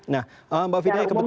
nah mbak fina ya kebetulan